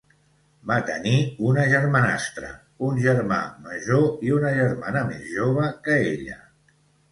Va tenir una germanastra, un germà major i una germana més jove que ella.